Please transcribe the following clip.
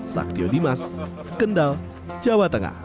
saktio dimas kendal jawa tengah